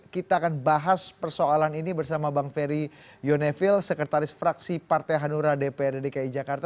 kita akan bahas persoalan ini bersama bang ferry yonevil sekretaris fraksi partai hanura dprd dki jakarta